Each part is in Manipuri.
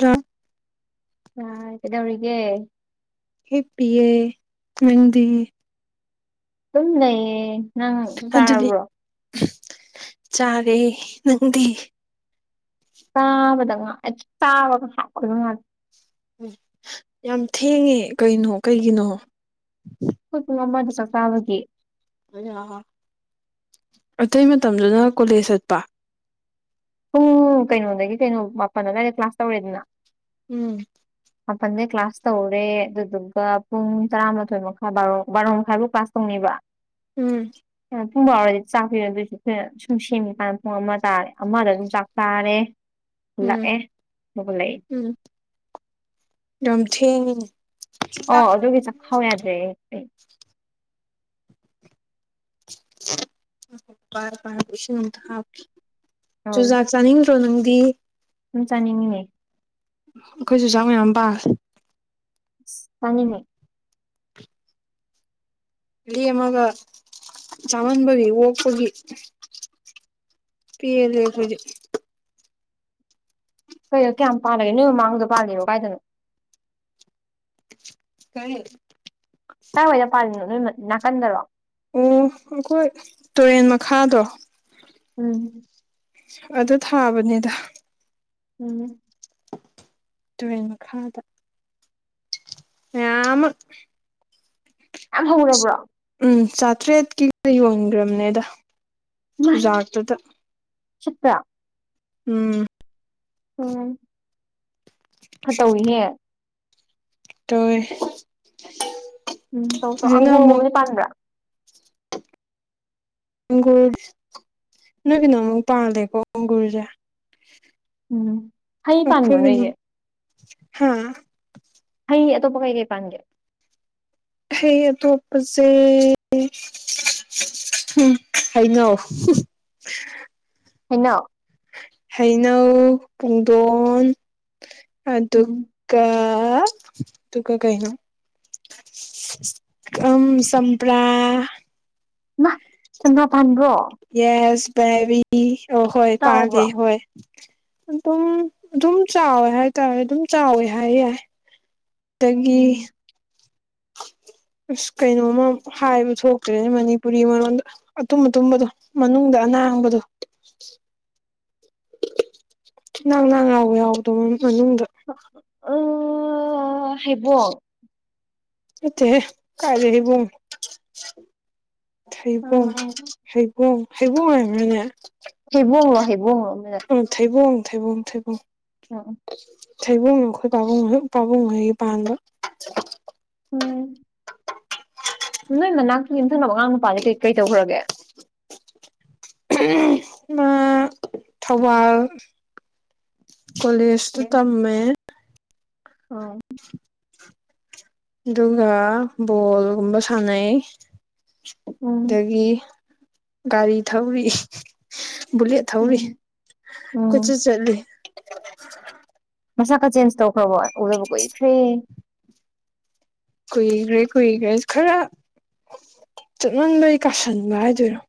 ꯗ ꯑꯥ ꯀꯩꯗꯧꯔꯤꯒꯦ ꯍꯤꯄꯤ ꯌꯦ ꯅꯪꯗꯤ ꯑꯗꯨꯝ ꯂꯩꯌꯦ ꯅꯪ ꯆꯥꯛ ꯑꯗꯨꯗꯤ ꯆꯥꯔꯕ꯭ꯔꯣ ꯆꯥꯔꯦ ꯅꯪꯗꯤ ꯆꯥꯕꯗ ꯉꯥꯏ ꯆꯥꯕꯒ ꯇꯣꯛꯄꯗ ꯉꯥꯏ ꯑꯝ ꯌꯥꯝ ꯊꯦꯡꯉꯦ ꯀꯩꯅꯣ ꯀꯩꯒꯤꯅꯣ ꯑꯈꯣꯏ ꯄꯨꯡ ꯑꯃꯥꯗ ꯆꯥꯛ ꯆꯥꯕꯒꯤ ꯑꯇꯩ ꯃꯇꯝꯗꯨꯅ ꯀꯣꯂꯦꯖ ꯆꯠꯄ ꯄꯨꯡ ꯀꯩꯅꯣꯗꯒꯤ ꯀꯩꯅꯣ ꯃꯥꯄꯜ ꯑꯗꯨꯋꯥꯏꯗ ꯀ꯭ꯂꯥꯁ ꯇꯧꯔꯦꯗꯅ ꯎꯝ ꯃꯥꯄꯜꯗꯩ ꯀ꯭ꯂꯥꯁ ꯇꯧꯔꯦ ꯑꯗꯨꯗꯨꯒ ꯄꯨꯡ ꯇꯔꯥꯃꯥꯊꯣꯏ ꯃꯈꯥꯏꯕꯥ ꯕꯥꯔꯣ ꯃꯈꯥꯏꯐꯥꯎ ꯀ꯭ꯂꯥꯁ ꯇꯧꯅꯦꯕ ꯎꯝ ꯄꯨꯡ ꯐꯥꯎꯔꯗꯤ ꯆꯥꯛ ꯄꯤꯔꯣ ꯑꯗꯨꯏꯁꯨ ꯑꯩꯈꯣꯏꯅ ꯁꯨꯝ ꯁꯦꯝꯃꯤꯀꯥꯟꯗ ꯄꯨꯡ ꯑꯃ ꯇꯥꯔꯦ ꯑꯃꯗ ꯑꯗꯨꯝ ꯆꯥꯛ ꯆꯥꯔꯦ ꯎꯝ ꯥꯛ ꯑꯦ ꯣꯛꯂꯥꯏ ꯎꯝ ꯌꯥꯝ ꯊꯦꯡꯉꯤꯅꯦ ꯑꯣ ꯆꯨꯖꯥꯛ ꯑꯗꯨꯒꯤ ꯆꯥꯅꯤꯡꯉꯦ ꯆꯥꯛꯈꯥꯎ ꯌꯥꯗ꯭ꯔꯦ ꯑꯩ ꯔꯖ ꯆꯅꯤ ꯆꯣ ꯅꯪꯗꯤ ꯁꯨꯝ ꯆꯥꯅꯤꯡꯉꯤꯅꯦ ꯑꯩꯈꯣꯏꯁꯨ ꯆꯥꯛ ꯃꯌꯥꯝ ꯄꯥꯦ ꯇꯉꯅꯦ ꯔ ꯑꯃꯒ ꯆꯥꯝꯃꯟꯕꯒꯤ ꯑꯣꯛꯄꯒꯤ ꯐ ꯍꯧ ꯀꯩ ꯀꯌꯥꯝ ꯄꯥꯜꯂꯒꯦ ꯅꯣꯏ ꯃꯃꯥꯡꯗꯣ ꯄꯥꯜꯂꯤꯕꯣ ꯀꯥꯏꯗꯅꯣ ꯀꯔꯦ ꯀꯥꯏꯋꯥꯏꯗ ꯄꯥꯜꯂꯤꯅꯣ ꯅꯣꯏ ꯅꯥꯀꯟꯗꯔꯣ ꯑꯣ ꯑꯩꯈꯣꯏ ꯇꯨꯔꯦꯟ ꯃꯈꯥꯗꯣ ꯎꯝ ꯑꯗꯨ ꯊꯥꯕꯅꯦꯗ ꯎꯝ ꯇꯨꯔꯦꯜ ꯃꯈꯥꯗ ꯃꯃ ꯀ ꯍꯃ ꯅꯕ꯭ꯔꯣ ꯆꯥꯇ꯭ꯔꯦꯠꯀꯤ ꯌꯣꯟꯈ꯭ꯔꯕꯅꯦꯗ ꯏꯃꯥꯏ ꯖꯥꯔꯇꯗ ꯁꯤꯠꯄ꯭ꯔꯥ ꯎꯝ ꯎꯝ ꯍꯥ ꯇꯧꯏꯍꯦ ꯇꯣꯏ ꯎꯝ ꯇꯧꯁꯨ ꯑꯪꯒꯨꯔꯒꯨꯝꯕꯅꯤ ꯄꯥꯟꯕ꯭ꯔꯥ ꯑꯪꯒꯨꯔ ꯅꯣꯏꯄꯤꯅ ꯑꯃꯨꯛ ꯇꯥꯜꯂꯦꯀꯣ ꯑꯪꯒꯨꯔꯁꯦ ꯎꯝ ꯍꯩ ꯄꯥꯟꯕꯣ ꯅꯣꯏ ꯑꯩꯒꯤ ꯍꯥꯥ ꯑꯩ ꯑꯇꯣꯞꯄ ꯀꯩ ꯀꯩ ꯄꯥꯟꯒꯦ ꯍꯩ ꯑꯇꯣꯞꯄꯁꯦ ꯍꯥꯏꯩꯅꯣ ꯍꯅ ꯍꯩꯅꯧ ꯄꯨꯡꯗꯣꯟ ꯎꯝ ꯑꯗꯨꯒ ꯑ ꯇꯨꯀ ꯀꯥꯏꯅ ꯑꯝ ꯆꯄ꯭ꯔꯥ ꯅ ꯆꯟꯗ꯭ꯔꯥ ꯄꯗ꯭ꯔꯣ ꯄꯕꯤ ꯍꯣꯏ ꯄꯥꯅꯦ ꯆꯥꯎꯕ꯭ꯔꯣ ꯍꯣꯏ ꯑꯗꯨꯝ ꯑꯗꯨꯝ ꯆꯥꯎꯋꯦ ꯍꯥꯏꯇꯥꯔꯦ ꯑꯗꯨꯝ ꯆꯥꯎꯋꯦ ꯍꯥꯏ ꯌꯥꯏ ꯇꯒꯤ ꯎꯝ ꯎ ꯑ ꯀꯩꯅꯣꯝꯃ ꯍꯥꯏꯕ ꯊꯣꯛꯇ꯭ꯔꯦꯅꯦ ꯃꯅꯤꯄꯨꯔꯤ ꯃꯔꯣꯟꯗ ꯑꯇꯨꯝ ꯑꯇꯨꯝꯕꯗꯣ ꯃꯅꯨꯡꯗ ꯀꯅꯥꯥꯡꯕꯗꯣ ꯅꯪ ꯅꯪ ꯌꯥꯎꯕ ꯌꯥꯎꯗꯧ ꯃꯅꯨꯡꯗ ꯍꯥꯏꯕ ꯏꯠꯇꯦ ꯀꯥꯏꯗ ꯍꯕꯣ ꯎꯝ ꯊꯩꯕꯣꯡ ꯍꯩꯕꯣꯡ ꯍꯩꯕꯣꯡ ꯍꯥꯏꯕꯅꯦ ꯍꯩꯕꯣꯡꯂꯣ ꯍꯩꯕꯣꯡꯂꯣ ꯎ ꯊꯩꯕꯝ ꯊꯩꯕꯝ ꯊꯩꯕ ꯑꯝ ꯊꯩꯕꯨꯡꯅꯣ ꯑꯩꯈꯣꯏ ꯄꯥꯕꯨꯡ ꯄꯥꯕꯨꯡ ꯍꯣꯏꯒꯤ ꯄꯥꯟꯕ ꯎꯝ ꯅꯣꯏ ꯃꯅꯥꯛꯀꯤ ꯌꯨꯝꯊꯪꯅꯕ ꯑꯉꯥꯡ ꯅꯨꯄꯥ ꯀꯩ ꯀꯔꯤ ꯇꯧꯈ꯭ꯔꯒꯦ ꯃ ꯊꯧꯕꯥꯜ ꯀꯣꯂꯁꯇ ꯇꯃꯦ ꯍ [inaudible] ꯑꯗꯨꯒ ꯕꯣꯜꯒꯨꯝꯕ ꯁꯥꯟꯅꯩ ꯎꯝ ꯑꯗꯒꯤ ꯒꯥꯔꯤ ꯊꯧꯔꯤ ꯕꯨꯂꯦꯠ ꯊꯧꯔꯤ ꯎꯝ ꯎꯝ ꯀꯣꯏꯆꯠ ꯆꯠꯂꯤ ꯃꯁꯥ ꯈ ꯆꯦꯟꯖ ꯇꯧꯈ꯭ꯔꯕꯣ ꯎꯗꯕ ꯀꯨꯏꯈ꯭ꯔꯦ ꯀꯨꯏꯒ꯭ꯔꯦ ꯀꯨꯏꯒ꯭ꯔꯦ ꯈꯔ ꯆꯠꯃꯟꯕꯩ ꯀꯥꯁꯟꯕ ꯍꯥꯏꯗꯣꯏꯔꯣ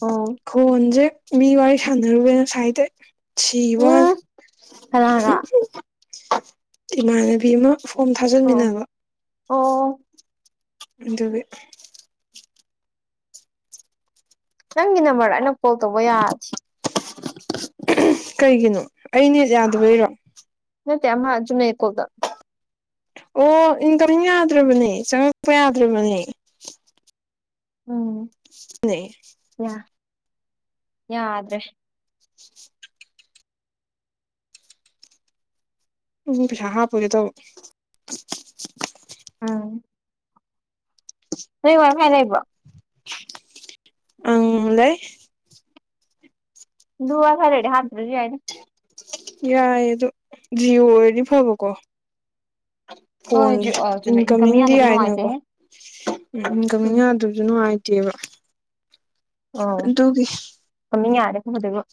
ꯑꯣ ꯈꯣꯟꯁꯦ ꯃꯤ ꯋꯥꯔꯤ ꯁꯥꯟꯅꯔꯨꯕꯦꯅ ꯁꯥꯏꯗꯦ ꯁꯤ ꯋꯥ ꯎꯝ ꯀꯅꯥꯒ ꯏꯃꯅꯕꯤ ꯑꯃ ꯐꯣꯝ ꯑꯣ ꯊꯥꯖꯟꯃꯤꯟꯅꯕ ꯑꯣ ꯑꯗꯨꯒꯤ ꯅꯪꯒꯤ ꯅꯝꯕꯔꯗ ꯑꯩꯅ ꯐꯣꯜ ꯇꯧꯕ ꯌꯥꯗ꯭ꯦ ꯀꯩꯒꯤꯅꯣ ꯑꯩ ꯅꯠ ꯌꯥꯗꯕꯩꯔꯣ ꯅꯇꯦ ꯑꯃ ꯆꯨꯝꯅꯩ ꯀꯣꯜꯗ ꯑꯣ ꯏꯪ ꯀꯃꯤꯝ ꯌꯥꯗ꯭ꯔꯕꯅꯦ ꯆꯪꯉꯛꯄ ꯌꯥꯗ꯭ꯔꯕꯅꯦ ꯎꯝ ꯂꯩ [inaudible] ꯌꯥ ꯌꯥꯗ꯭ꯔꯦ ꯎꯝ ꯄꯩꯁꯥ ꯍꯥꯞꯄꯔꯦ ꯇ ꯎꯝ ꯅꯣꯏ ꯋꯥ ꯃꯈꯥꯏ ꯂꯩꯕ꯭ꯔꯣ ꯑꯪ ꯂꯩ ꯗꯨꯋꯥ ꯈꯔꯅꯦ ꯍꯥꯔ ꯌꯥ ꯌꯥꯏꯅ ꯌꯥꯏ ꯑꯗ ꯖꯤꯎ ꯑꯣꯏꯔꯗꯤ ꯐꯕꯀꯣ ꯍꯣꯏ ꯐꯣꯟꯗꯦ ꯖꯤ ꯑ ꯆꯨꯝꯃꯦ ꯏꯟꯀꯝꯃꯤꯡ ꯏꯟꯀꯃꯤꯡꯗꯤ ꯌꯥꯗꯗꯤ ꯌꯥꯏꯅꯀꯣ ꯅꯨꯡꯉꯥꯏꯇꯦꯍꯦ ꯎꯝ ꯎꯒꯃꯤꯅ ꯑꯗꯨꯗꯨꯅ ꯍꯥꯏ ꯕ ꯇꯒꯦ ꯈꯃꯤ ꯌꯥꯔꯦꯀꯣꯗꯨ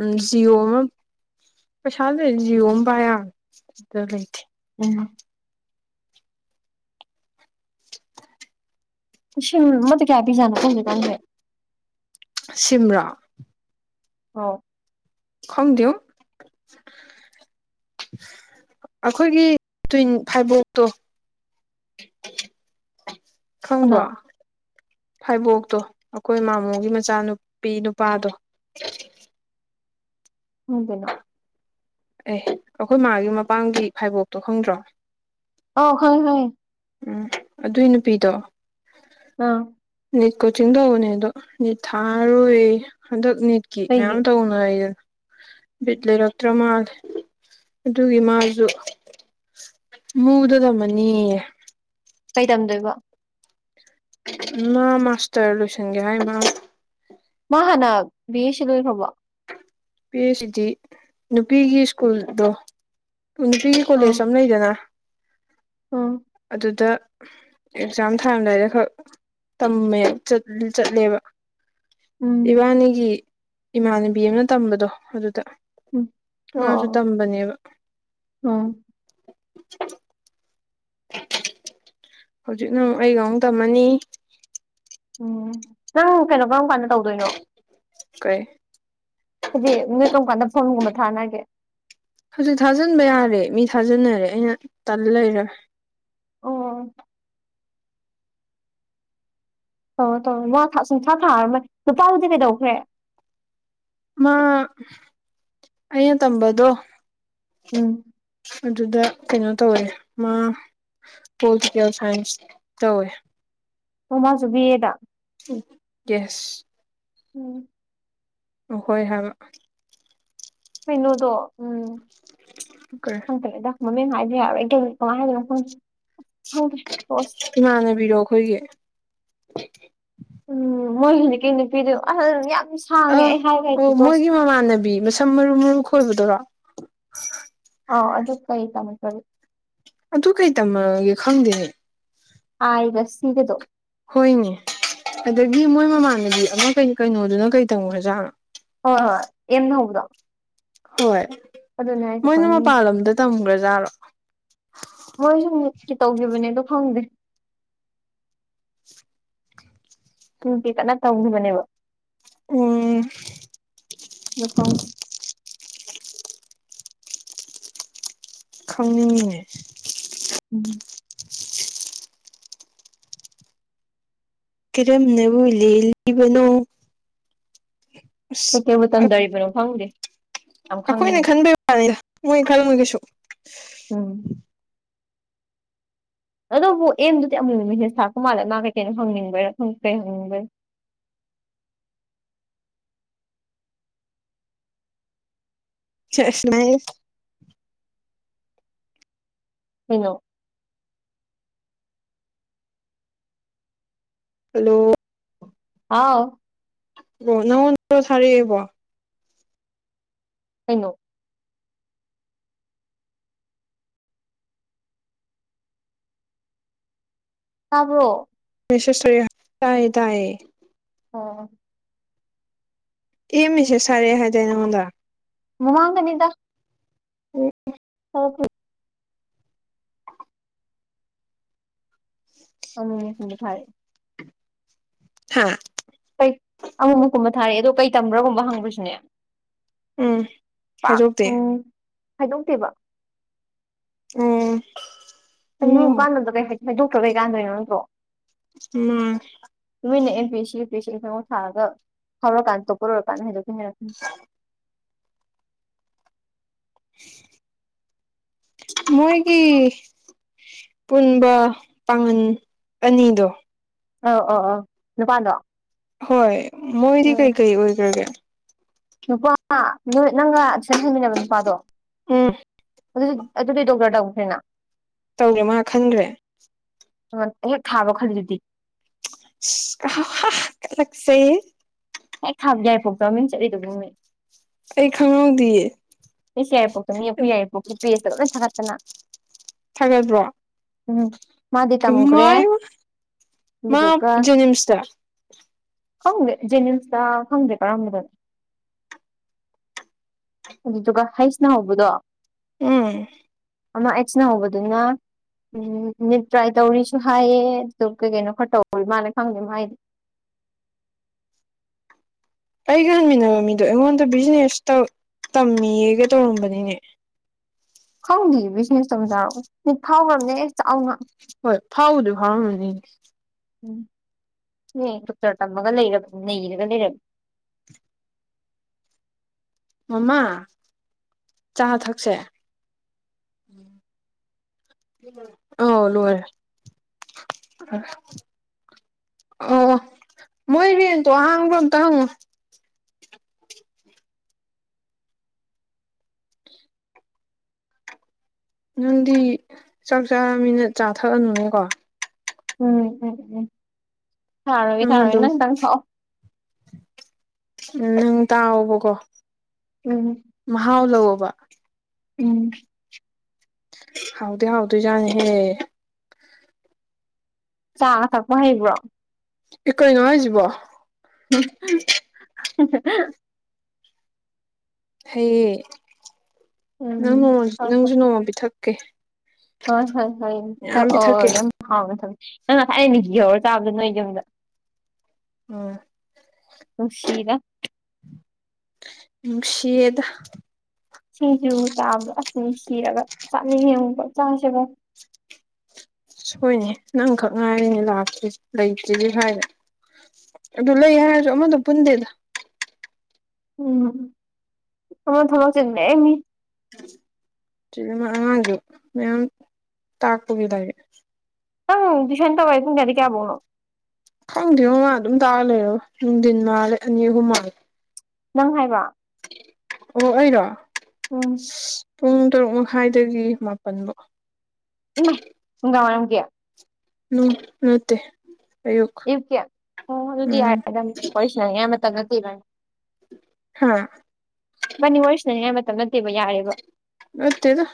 ꯎꯝ ꯖꯤꯌꯑꯣ ꯑꯃ ꯄꯩꯁꯥ ꯂꯩ ꯖꯤꯌꯑꯣ ꯑꯃ ꯄꯥꯏ ꯑꯗꯨꯗ ꯂꯩꯇꯦ ꯎꯝ ꯁꯤ ꯃꯗꯤ ꯀꯌꯥ ꯄꯤꯖꯥꯅꯣ ꯐꯣꯖꯤꯛꯀꯥꯟꯁꯦ ꯁꯤꯝꯔꯥ ꯑꯣ ꯈꯪꯗꯦꯎ ꯑꯩꯈꯣꯏꯒꯤ ꯇꯨꯋꯤꯟ ꯐꯥꯏꯕꯣꯛꯇꯣ ꯀꯅꯥ ꯈꯪꯕ꯭ꯔꯣ ꯐꯩꯕꯣꯛꯇꯣ ꯑꯩꯈꯣꯏ ꯏꯃꯥꯃꯣꯒꯤ ꯃꯆꯥꯅꯨꯄꯤ ꯅꯨꯄꯥꯗꯣ ꯎꯗꯅꯥ ꯑꯦ ꯑꯩꯈꯣꯏ ꯃꯥꯒꯤ ꯃꯄꯥꯝꯒꯤ ꯐꯥꯏꯕꯣꯛꯇꯣ ꯈꯪꯗ꯭ꯔꯣ ꯑꯣ ꯈꯪꯑ ꯈꯪꯑ ꯎꯝ ꯑꯗꯨꯏ ꯅꯨꯄꯤꯗꯣ ꯑꯥ ꯅꯤꯠ ꯀꯣꯆꯤꯡ ꯇꯧꯕꯅꯦ ꯑꯗꯣ ꯅꯤꯠ ꯊꯥꯔꯣꯏ ꯍꯟꯗꯛ ꯅꯤꯠꯀꯤ ꯀꯩꯒꯤ ꯃꯌꯥꯝ ꯇꯧꯅꯩꯗꯅ ꯕꯤꯠ ꯂꯩꯔꯛꯇ꯭ꯔ ꯃꯥꯜ ꯑꯗꯨꯒꯤ ꯃꯥꯁꯨ ꯃꯨꯗ ꯇꯝꯃꯅꯤꯌꯦ ꯀꯩ ꯇꯝꯗꯣꯏꯕꯣ ꯃꯥ ꯃꯥꯥꯁꯇꯔ ꯂꯣꯏꯁꯒꯦ ꯍꯥꯏꯥꯏ ꯃꯥ ꯃꯥ ꯍꯥꯟꯅ ꯕꯤ ꯑꯦꯁ ꯁꯤ ꯂꯣꯏꯈ꯭ꯔꯕ ꯄ ꯁꯤꯗꯤ ꯅꯨꯄꯤꯒꯤ ꯁ꯭ꯀꯨꯜꯗꯣ ꯄꯨꯟꯁꯤꯒꯤ ꯑꯥ ꯀꯣꯂꯦꯖ ꯑꯃ ꯂꯩꯗꯅ ꯎꯝ ꯑꯗꯨꯗ ꯑꯦꯛꯖꯥꯝ ꯊꯥꯔꯝꯗꯥꯏꯗ ꯈꯛ ꯇꯝꯃꯦ ꯆꯠꯂꯦꯕ ꯎꯝ ꯏꯕꯥꯅꯤꯒꯤ ꯏꯃꯥꯟꯅꯕꯤ ꯑꯃꯅ ꯇꯝꯕꯗꯣ ꯑꯗꯨꯗ ꯎꯝ ꯑꯣ ꯃꯥꯁꯨ ꯑꯣ ꯇꯝꯕꯅꯦꯕ ꯎꯝ ꯍꯧꯖꯤꯛ ꯅꯪ ꯑꯩꯒꯛ ꯇꯝꯃꯅꯤ ꯎꯝ ꯅꯪ ꯀꯩꯅꯣ ꯀꯔꯝ ꯀꯥꯟꯗ ꯇꯧꯗꯣꯏꯅꯣ ꯀꯩ ꯍꯥꯏꯗꯤ ꯅꯣꯏ ꯀꯔꯝ ꯀꯥꯟꯗ ꯐꯣꯟꯒꯨꯝꯕ ꯊꯥꯅꯒꯦ ꯍꯧꯖꯤꯛ ꯊꯥꯖꯤꯟꯕ ꯌꯥꯔꯦ ꯃꯤ ꯊꯥꯖꯤꯟꯅꯔꯦ ꯑꯩꯅ ꯇꯜ ꯂꯩꯔꯔꯣꯏ ꯑꯣ ꯑꯣꯧ ꯇꯧꯔ ꯃꯥ ꯁꯨꯝꯊ꯭ꯔꯥ ꯊꯥꯔꯝꯃ ꯅꯨꯨꯄꯥꯕꯨꯗꯤ ꯀꯩꯗꯧꯈ꯭ꯔꯦ ꯃꯥ ꯑꯩꯅ ꯇꯝꯕꯗꯣ ꯎꯝ ꯑꯗꯨꯗ ꯀꯩꯅꯣ ꯇꯧꯋꯦ ꯃꯥ ꯄꯣꯂꯤꯇꯤꯀꯦꯜ ꯁꯥꯏꯟꯁ ꯇꯧꯋꯦ ꯃꯃꯁꯨꯕꯤꯌꯦꯗ ꯌꯦꯁ ꯎꯝ ꯑ ꯍꯣꯏ ꯍꯥꯏꯕ ꯍꯩꯅꯣꯗꯣ ꯎꯝ ꯀꯔꯤ ꯐꯪꯇꯂꯦꯗ ꯃꯃꯤꯡ ꯍꯥꯏꯕ ꯌꯥꯔꯣꯏ ꯑꯩ ꯀ ꯀꯃꯥꯏꯅꯗꯅꯣꯪꯪꯗꯁ ꯍꯣꯏꯒꯤ ꯎꯝ ꯃꯣꯏꯒꯤꯗꯤ ꯀꯩꯅ ꯄꯤꯔꯤꯣ ꯑꯜ ꯑ ꯑꯣ ꯃꯣꯏꯒꯤ ꯃꯃꯥꯟꯅꯕꯤ ꯃꯁꯝ ꯃꯔꯨ ꯃꯔꯨ ꯈꯣꯏꯕꯗꯔꯣ ꯑꯥꯎ ꯑꯗꯨ ꯀꯩ ꯇꯃꯣ ꯆꯔꯤ ꯇꯨ ꯀꯩ ꯇꯃ ꯈꯪꯗꯦꯅꯦ ꯑꯒ ꯁꯤꯒꯗ ꯍꯣꯏꯅꯦ ꯑꯗꯒꯤ ꯃꯣꯏ ꯃꯃꯥꯟꯗꯗꯤ ꯑꯃ ꯀꯩꯅꯣꯗꯨꯅ ꯀꯩ ꯇꯧꯣꯖꯥꯠꯅꯣ ꯍ ꯍ ꯌꯦꯅꯗꯥꯥ ꯍꯣꯏ ꯃꯣꯏꯅ ꯃꯄꯜ ꯂꯝꯣꯗ ꯇꯝꯒ꯭ꯔꯖꯥꯠꯔꯣ ꯀ ꯇꯧꯈꯤꯕꯅꯦꯗꯣ ꯐꯪꯗꯦ ꯎ ꯀꯦ ꯀꯟꯅ ꯇꯧꯈꯤꯕꯅꯦꯕ ꯑꯣ ꯅꯨꯄꯥꯥꯎ ꯈꯪꯅꯤꯡꯉꯉꯦ ꯎꯝ ꯀꯔꯝꯅꯕꯨ ꯂꯦꯜꯂꯤꯕꯅꯣ ꯀꯩꯀꯩꯕꯨ ꯑꯁ ꯇꯝꯗꯔꯤꯕꯅꯣ ꯈꯪꯗꯦ ꯌꯥꯝ ꯑꯩꯈꯣꯏꯅ ꯈꯪꯅꯤꯡꯉꯤ ꯈꯟꯕꯩ ꯋꯥꯅꯤꯗ ꯃꯣꯏ ꯈꯜꯃꯨ ꯀꯩꯁꯨ ꯎꯝ ꯑꯗꯨꯕꯨ ꯑꯦꯝꯗꯨꯗꯤ ꯑꯃꯨ ꯍꯦꯁ ꯊꯥ ꯀꯨꯃꯥꯔꯂ ꯃꯥ ꯀꯩꯀꯩꯅꯣ ꯍꯪꯅꯤꯡꯕꯔ ꯀ ꯍꯪꯅꯤꯡꯕꯔꯥ ꯑ ꯁꯅꯁ ꯍꯩꯅ ꯍꯜꯂꯣ ꯑꯥꯎ ꯑꯣꯣ ꯅꯪꯉꯣ ꯅꯔ ꯊꯥꯔꯤꯑꯦꯕꯣ ꯑꯩꯅꯣ ꯇꯥꯕꯣ ꯃꯤꯁꯁꯔꯤ ꯍꯥꯏ ꯇꯑ ꯑꯣ ꯑꯦ ꯍꯃꯦꯁꯥ ꯁꯔꯦꯍꯖꯅ ꯍꯗ ꯃꯃꯥꯡꯒꯅꯤꯗ ꯍ ꯍꯣꯏ ꯑꯃ ꯊꯥꯏ ꯍꯥꯥ ꯑꯃꯉꯃꯀꯨꯝꯕ ꯊꯥꯔꯛꯑꯦ ꯑꯗꯣꯩ ꯇꯝꯕ꯭ꯔꯥꯒꯨꯝꯕ ꯍꯪꯕ꯭ꯔꯁꯨꯅꯦ ꯎꯝ ꯍꯥꯏꯗꯣꯛꯇꯦ ꯈꯥꯏꯗꯣꯛꯇꯦꯕ ꯎꯝ ꯀ ꯌꯦꯡꯨꯀꯥꯟꯗꯣ ꯀꯩ ꯍꯥꯏ ꯍꯥꯏꯗꯣꯛꯇ꯭ꯔꯣ ꯀꯩ ꯀꯥꯟꯗꯣꯏꯅꯣ ꯅꯠꯇ꯭ꯔꯣ ꯎꯝ ꯅꯣꯏꯅ ꯑꯦꯝ ꯄꯤ ꯁꯤ ꯄꯁꯤꯨꯛ ꯁꯥꯔ ꯍꯧꯔꯀꯥꯟ ꯇꯣꯄꯔꯀꯥꯟꯗ ꯍꯥꯏ ꯎꯝ ꯃꯣꯏ ꯀ ꯄꯨꯟꯕ ꯄꯥꯒꯟ ꯑꯅꯤꯗꯣ ꯑ ꯑ ꯑ ꯅꯨꯄꯥꯥꯟꯗꯣ ꯍꯣꯏ ꯃꯣꯏꯗꯤ ꯀꯩꯀꯩ ꯑꯣꯏꯈ꯭ꯔꯒꯦ ꯅꯨꯄꯥ ꯅꯣꯏ ꯅꯪꯒ ꯁꯠꯍꯟꯃꯤꯟꯅꯕ ꯅꯨꯄꯥꯗꯣ ꯎꯝ ꯑꯗꯨꯗꯤ ꯑꯗꯨꯗꯤ ꯗꯣꯛꯇꯔ ꯇꯧꯈ꯭ꯔꯦꯅ ꯇꯧꯔꯦ ꯃꯥ ꯈꯟꯈ꯭ꯔꯦ ꯍꯦꯛ ꯊꯥꯕ ꯈꯜꯗꯨꯗꯤ ꯁ ꯍ ꯈ ꯌꯥꯏꯐꯣꯛꯇꯃꯤꯡ ꯆꯠꯂꯤꯗꯨꯒꯨꯝꯃꯦ ꯑꯩ ꯈꯉꯅꯥ ꯗꯌꯦ ꯑꯩꯁ ꯌꯥꯏꯔꯤꯄꯣꯛꯇ ꯃꯤ ꯑꯩꯈꯣꯏ ꯌꯥꯏꯔꯤꯄꯣꯛꯀꯤ ꯄ꯭ꯂꯦꯖꯇ ꯂꯣꯏꯅ ꯊꯥꯒꯠꯇꯅ ꯣ ꯎꯝ ꯃꯥꯗꯤ ꯏꯃ ꯇꯝꯈ꯭ꯔꯦ ꯃꯥ ꯑꯗꯨꯗꯨꯒ ꯖꯅꯤꯝꯁꯗꯔ ꯈꯪꯗꯦ ꯖꯦꯅꯤꯝꯁꯇ ꯈꯪꯗꯦ ꯀꯔꯝꯕꯗꯅꯣ [unintelligible] ꯑꯗꯨꯗꯨꯒ ꯍꯩꯁꯅ ꯍꯧꯕꯗꯣ ꯎꯝ ꯑꯃ ꯑꯦꯆꯅꯥ ꯍꯕꯣꯗꯨꯅ ꯎꯝ ꯃꯤꯠ ꯇ꯭ꯔꯥꯏ ꯇꯧꯔꯤꯁꯨ ꯍꯥꯏꯌꯦ ꯑꯗꯨꯒ ꯀꯩ ꯀꯩꯅꯣ ꯈꯔ ꯇꯧ ꯃꯥꯅ ꯈꯪꯗꯦ ꯍꯥꯏꯗꯤ [unintelligible] ꯑꯩꯒ ꯍꯟꯃꯤꯟꯅꯕ ꯃꯤꯗꯣ ꯑꯩꯉꯣꯟꯗ ꯕꯤꯖꯤꯅꯦꯁ ꯇꯝꯃꯤꯒ ꯇꯧꯔꯝꯕꯅꯤꯅꯦ ꯈꯪꯗꯦ ꯕꯤꯖꯤꯅꯦꯁ ꯇꯧꯖꯥꯔꯛꯑꯣ ꯊꯥꯎꯈ꯭ꯔꯔꯕꯅꯦ ꯆꯥꯎꯅ ꯍꯣꯏ ꯐꯥꯎꯎꯗ ꯐꯥꯎꯔꯝꯅꯤ ꯎꯝ ꯗꯣꯛꯇꯔ ꯇꯝꯃꯒ ꯂꯩꯔꯕ ꯅꯩꯔꯒ ꯂꯩꯔꯕ [unintelligible] ꯃꯃꯥ ꯆꯥ ꯊꯛꯁꯦ ꯎꯝ ꯑꯣ ꯂꯔꯦ ꯑꯣ ꯃꯣꯏꯚꯦꯟꯗꯣ ꯑꯍꯥꯡꯕ ꯑꯝꯇ ꯍꯪꯉꯨ ꯅꯪꯗꯤ ꯆꯥꯛ ꯆꯥ ꯃꯤꯅꯠ ꯆꯥ ꯊꯛꯑꯅꯨꯅꯦꯀꯣ ꯎꯝ ꯎꯝ ꯎꯝ ꯎꯝ ꯊꯥꯔꯣꯏꯒ ꯊꯥꯔꯣꯏ ꯅꯪꯇꯪ ꯊꯥꯎꯑꯣ ꯎꯝ ꯅꯪ ꯇꯥꯎꯑꯣꯕꯀꯣ ꯎꯝ ꯃꯍꯥꯎ ꯂꯧꯋ ꯀꯕ ꯎꯝ ꯍꯥꯎꯗ ꯍꯥꯎꯗ ꯌꯥꯅꯤꯍꯦ ꯆꯥꯕ ꯊꯛꯄ ꯍꯩꯕ꯭ꯔꯣ ꯑꯩꯈꯣꯏ ꯉꯅꯨꯡꯉꯥꯏꯁꯤꯕꯣ [inaudible] ꯍꯌꯦꯌꯦ ꯎꯝ ꯅꯪ ꯅꯣꯡꯃ ꯍꯣꯏ ꯍꯣꯏ ꯅꯪꯁꯨ ꯅꯣꯡꯃ ꯄꯤꯊꯛꯀꯦ ꯍꯣꯏ ꯍꯣꯏ ꯃꯌꯥꯝ ꯄꯤꯊꯛꯀꯦ ꯍꯣꯏ ꯌꯥꯝ ꯍꯥꯎ ꯊ ꯅꯪ ꯉꯁꯥꯏ ꯑꯅꯤ ꯌꯍꯔ ꯆꯥꯕꯗ ꯅꯣꯏ ꯌꯨꯝꯗ ꯑꯝ ꯅꯨꯡꯁꯤꯗ ꯅꯨꯡꯁꯤꯌꯦꯗ ꯁꯤꯡꯖꯨ ꯇꯥꯕꯗꯣ ꯑꯅꯨꯡ ꯁꯤꯔꯒ ꯆꯅꯦ ꯆꯥꯁꯦꯒ ꯁꯣꯏꯅꯦ ꯅꯪꯈꯛ ꯉꯥꯏꯔꯤꯅꯦ ꯂꯥꯛꯇꯔꯤ ꯂꯩꯇ꯭ꯔꯤ ꯍꯥꯏꯅ ꯑꯗꯨ ꯂꯣꯍꯤ ꯌꯥꯁꯨ ꯃꯗꯨ ꯄꯨꯟꯗꯦꯗ ꯎꯝ ꯑꯃ ꯊꯃꯛ ꯆ ꯂꯩꯅꯤ ꯑꯉꯥꯡꯒꯤ ꯃꯌꯥꯝ ꯇꯥꯛꯄꯒꯤ ꯂꯦ ꯑꯪ ꯁꯥꯅ ꯇꯧꯋꯥꯥꯏꯦ ꯀꯨꯡ ꯀꯗꯤ ꯀꯌꯥꯕꯧꯅꯣ ꯈꯪꯗꯦ ꯃꯃꯥ ꯑꯗꯨꯝ ꯇꯥꯔ ꯂꯩꯔꯣ ꯅꯨꯡꯊꯤꯟ ꯃꯥꯜꯂꯦ ꯑꯅꯤ ꯑꯍꯨꯝ ꯃꯥꯜꯂꯦ ꯅꯪ ꯍꯥꯏꯕ ꯑꯣ ꯑꯩꯔꯣ ꯎꯝ ꯄꯨꯡ ꯇꯔꯨꯛ ꯃꯈꯥꯏꯗꯒꯤ ꯃꯥꯄꯟꯕꯥꯎ ꯏꯃꯥꯏ ꯍꯅꯨꯡꯒꯥ ꯋꯥꯔꯝ ꯀꯌꯥ ꯎ ꯅꯠꯇꯦ ꯑꯌꯨꯛ ꯏ ꯀ ꯑꯗꯨꯗꯤ ꯌꯥꯔꯦ ꯎꯝ ꯑꯗꯨꯣꯏꯁ ꯃꯇꯝꯠꯇꯤꯔ ꯍꯥ ꯃꯅꯤ ꯑꯣꯏꯁꯤꯅꯅꯤꯡꯉꯥꯏ ꯃꯇꯝ ꯅꯠꯇꯦꯕ ꯌꯥꯔꯦꯕ ꯃꯠꯇꯦꯗ